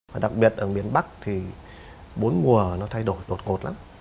và đặc biệt ở miền bắc thì bốn mùa nó thay đổi đột ngột lắm